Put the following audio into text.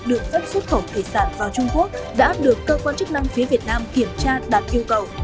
đường phép xuất khẩu thủy sản vào trung quốc đã được cơ quan chức năng phía việt nam kiểm tra đạt yêu cầu